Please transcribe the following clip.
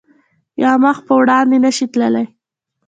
یا مخ په وړاندې نه شی تللی